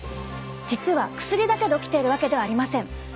実は薬だけで起きているわけではありません。